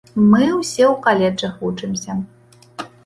Мы ўсе ў каледжах вучымся.